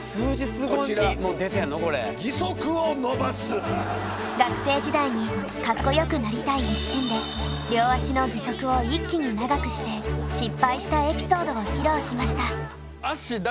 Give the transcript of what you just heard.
こちら学生時代にカッコよくなりたい一心で両足の義足を一気に長くして失敗したエピソードを披露しました。